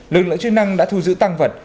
lực lượng chức năng đã thu giữ tăng vật